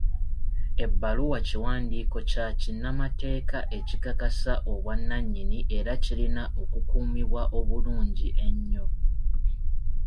Ebbaluwa kiwandiiko kya kinnamateeka ekikakasa obwanannyini era kirina okukuumibwa obulungi ennyo.